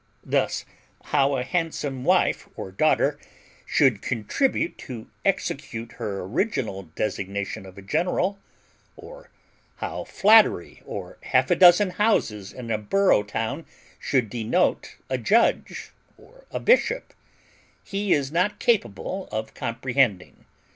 Thus, how a handsome wife or daughter should contribute to execute her original designation of a general, or how flattery or half a dozen houses in a borough town should denote a judge, or a bishop, he is not capable of comprehending.